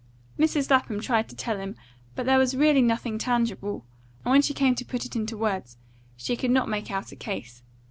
Mrs. Lapham tried to tell him, but there was really nothing tangible; and when she came to put it into words, she could not make out a case.